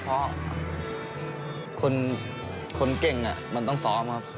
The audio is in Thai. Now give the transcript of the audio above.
เพราะคนเก่งมันต้องซ้อมครับ